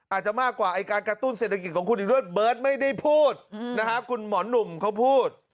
อาจจะมากกว่าไอ้การกระตุ้นเศรษฐกิจของคุณอีกด้วยเบิร์ตไม่ได้พูดนะครับคุณหมอหนุ่มเขาพูด